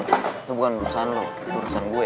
itu bukan urusan lo itu urusan gue